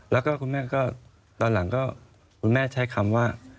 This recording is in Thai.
แล้วก็คุณแม่ก็ตอนหลังก็คุณแม่ใช้คำว่า